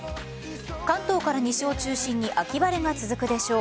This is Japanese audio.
関東から西を中心に秋晴れが続くでしょう。